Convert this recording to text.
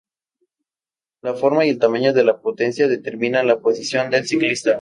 La forma y el tamaño de la potencia determinan la posición del ciclista.